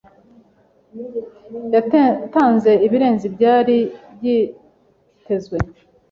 Yatanze ibirenze ibyari byitezwe.